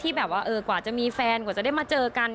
แบบว่ากว่าจะมีแฟนกว่าจะได้มาเจอกัน